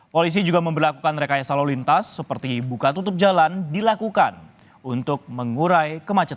polisi juga memperlakukan rekayasa lalu lintas seperti buka tutup jalan dilakukan untuk mengurai kemacetan